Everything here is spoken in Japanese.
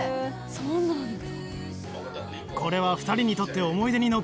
そうなんだ。